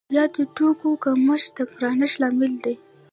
یا د توکو کمښت د ګرانښت لامل دی؟